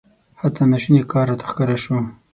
حتی ناشونی کار راته ښکاره سو.